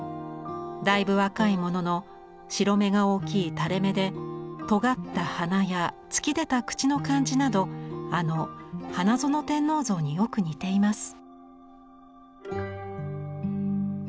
だいぶ若いものの白目が大きい垂れ目でとがった鼻や突き出た口の感じなどあの「花園天皇像」によく似ています。